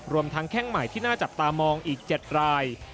รวมทั้งแข้งใหม่ที่น่าจับตามองอีก๗ราย